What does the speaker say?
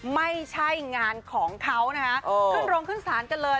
ไม่ใช่งานของเขานะคะขึ้นโรงขึ้นศาลกันเลย